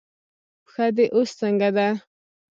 پښه دې اوس څنګه ده؟